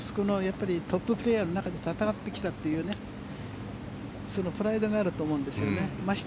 トッププレーヤーの中で戦ってきたっていうそのプライドがあると思うんですよね。